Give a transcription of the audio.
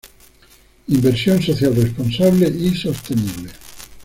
Inversión Social Responsable y Sostenible.